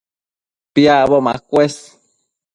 Piacbo macuës